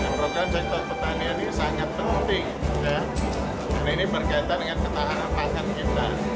program sektor pertanian ini sangat penting dan ini berkaitan dengan ketahanan pangan kita